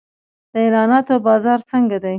د اعلاناتو بازار څنګه دی؟